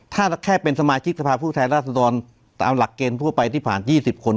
ถ้าแค่เป็นสมาชิกสภาพผู้แทนราษฎรตามหลักเกณฑ์ทั่วไปที่ผ่าน๒๐คน